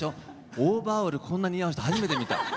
オーバーオールこんな似合う人、初めて見た。